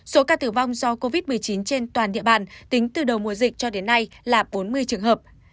số ca tử vong do covid một mươi chín trên toàn địa bàn tính từ đầu mùa dịch cho đến nay là bốn mươi trường hợp